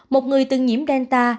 một người từng nhiễm delta